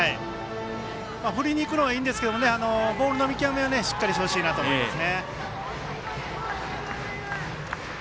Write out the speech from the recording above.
振りにいくのはいいんですけどボールの見極めはしっかりしてほしいなと思います。